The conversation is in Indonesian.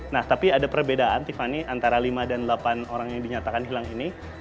nah tapi ada perbedaan tiffany antara lima dan delapan orang yang dinyatakan hilang ini